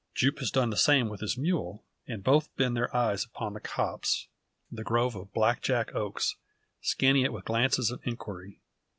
Jupe has done the same with his mule; and both bend their eyes upon the copse the grove of black jack oaks scanning it with glances of inquiry.